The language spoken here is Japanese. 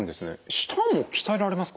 舌も鍛えられますか？